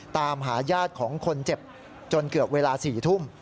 ตามหาญาติของคนเจ็บจนเกือบเวลา๔ทุ่ม